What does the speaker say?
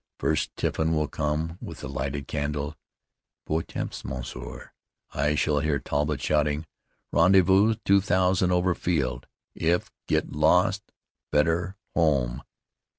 First Tiffin will come with the lighted candle: "Beau temps, monsieur." I shall hear Talbott shouting, "Rendezvous two thousand over field. If get lost better home."